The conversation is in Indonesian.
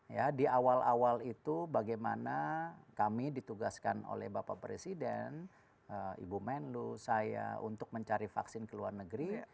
ya di awal awal itu bagaimana kami ditugaskan oleh bapak presiden ibu menlu saya untuk mencari vaksin ke luar negeri